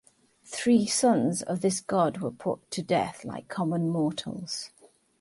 Three sons of this god were put to death like common mortals.